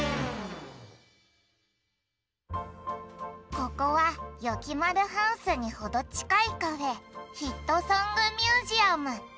ここはよきまるハウスにほどちかいカフェ「ヒットソング・ミュージアム」。